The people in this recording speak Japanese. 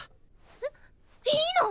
えっ？いいの？